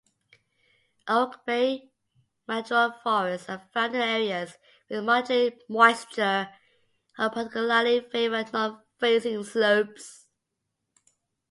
Oak-bay-madrone forests are found in areas with moderate moisture and particularly favor north-facing slopes.